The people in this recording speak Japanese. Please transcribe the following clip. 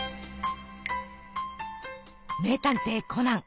「名探偵コナン」。